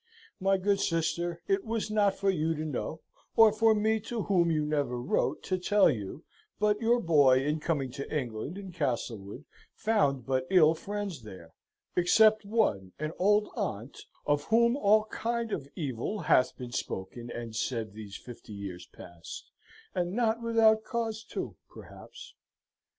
My good sister, it was not for you to know, or for me to whom you never wrote to tell you, but your boy in coming to England and Castlewood found but ill friends there; except one, an old aunt, of whom all kind of evil hath been spoken and sed these fifty years past and not without cawse too, perhaps.